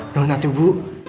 nona tuh bu